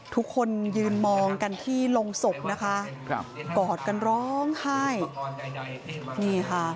ทุกคนยืนมองกันที่ลงศพนะคะกอดกันร้องไห้